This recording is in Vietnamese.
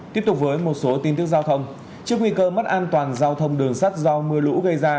trước nguy cơ mất an toàn giao thông đường sắt do mưa lũ gây ra